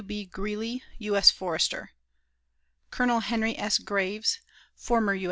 W.B. GREELEY, U.S. FORESTER; COL. HENRY S. GRAVES, FORMER U.